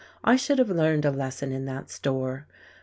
I should have learned a lesson in that store.